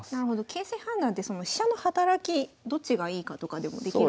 形勢判断ってその飛車の働きどっちがいいかとかでもできるんですね。